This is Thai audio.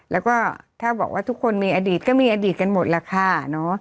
แล้วก็ถ้าบอกว่าทุกคนมีอดีตก็มีอดีตกันหมดล่ะค่ะ